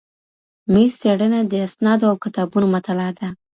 میز څېړنه د اسنادو او کتابونو مطالعه ده.